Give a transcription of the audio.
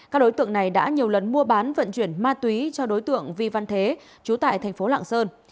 các đối tượng này đã nhiều lần mua bán vận chuyển ma túy cho đối tượng vi văn thế chú tại thành phố lạng sơn